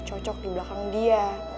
cocok di belakang dia